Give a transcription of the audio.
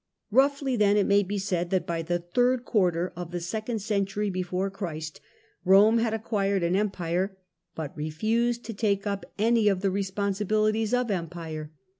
Rougbly, then, it may be said that by the third quarter of the second century before Christ, Rome had acquired an empire, but refused to take up any of the responsibilities of empire.